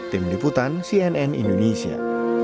tim diputan cnn indonesia